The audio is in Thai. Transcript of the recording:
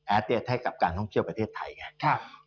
เตียสให้กับการท่องเที่ยวประเทศไทยไง